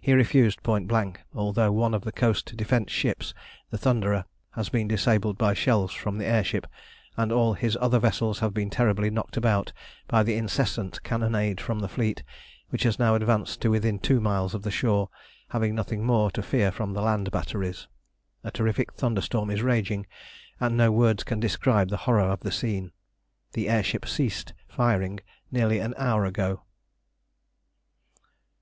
He refused point blank, although one of the coast defence ships, the Thunderer, has been disabled by shells from the air ship, and all his other vessels have been terribly knocked about by the incessant cannonade from the fleet, which has now advanced to within two miles of the shore, having nothing more to fear from the land batteries. A terrific thunderstorm is raging, and no words can describe the horror of the scene. The air ship ceased firing nearly an hour ago.